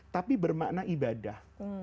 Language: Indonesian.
tapi bermakna ibadah